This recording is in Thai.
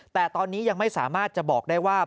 แต่ตอนนี้ยังไม่สามารถจะบอกได้ว่า